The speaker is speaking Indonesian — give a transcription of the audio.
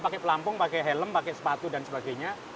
pakai pelampung pakai helm pakai sepatu dan sebagainya